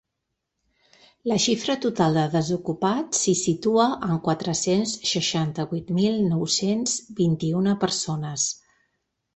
La xifra total de desocupats s’hi situa en quatre-cents seixanta-vuit mil nou-cents vint-i-una persones.